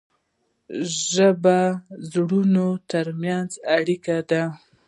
ژبه د زړونو ترمنځ اړیکه ده.